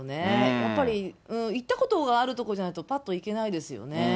やっぱり行ったことがある所じゃないとぱっと行けないですよね。